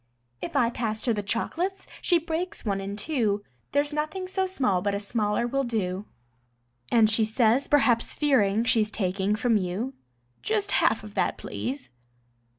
If I pass her the chocolates she breaks one in two, There's nothing so small but a smaller will do, And she says, perhaps fearing she's taking from you: "Just half of that, please."